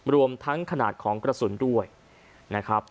รวมทั้งขนาดของกระสุนด้วยนะครับ